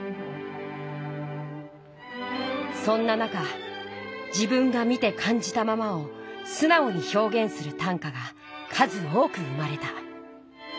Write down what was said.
そんな中自分が見てかんじたままをすなおにひょうげんする短歌が数多く生まれた。